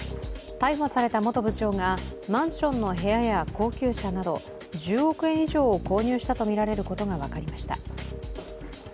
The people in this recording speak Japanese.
逮捕された元部長がマンションの部屋や高級車など１０億円以上を購入したとみられることが分かりました。